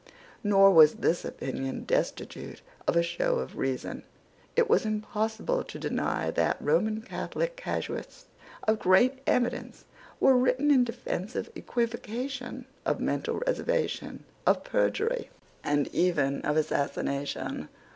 Nor was this opinion destitute of a show of reason. It was impossible to deny that Roman Catholic casuists of great eminence had written in defence of equivocation, of mental reservation, of perjury, and even of assassination.